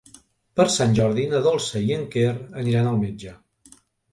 Per Sant Jordi na Dolça i en Quer aniran al metge.